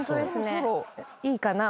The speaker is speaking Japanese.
いいかな？